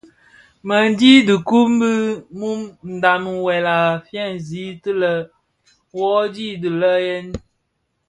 MË ndhi kibuň ki mum ndhami wuèl a feegsi ti lè: wuodhi dii le yèn.